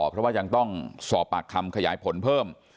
เพราะว่ายังต้องสอบปากคำขยายผลเพิ่ม